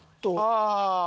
ああ。